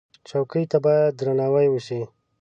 چوکۍ ته باید درناوی وشي.